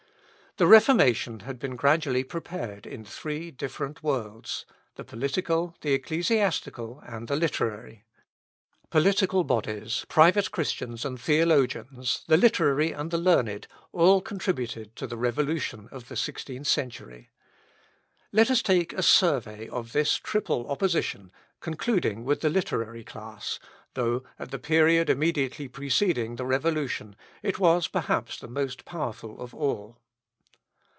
The Reformation had been gradually prepared in three different worlds the political, the ecclesiastical, and the literary. Political bodies, private Christians, and theologians, the literary and the learned, all contributed to the revolution of the sixteenth century. Let us take a survey of this triple opposition, concluding with the literary class, though, at the period immediately preceding the revolution, it was perhaps the most powerful of all.